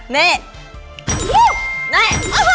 นี่